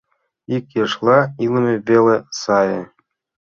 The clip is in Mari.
Ик ешла илыме веле сае